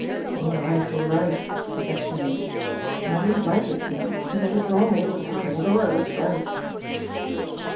'All right, all right,' he kept saying; and I didn't like it, you know, because I did wrong all the time, although I was right."